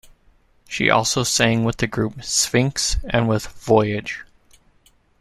She also sang with the group "Sphinx" and with "Voyage".